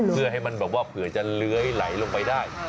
เพื่อให้มันแบบว่าเผื่อจะเลื้อยไหลลงไปได้